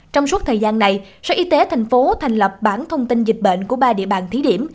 trong suốt thời gian này sở y tế thành phố thành lập bản thông tin dịch bệnh của ba địa bàn thí điểm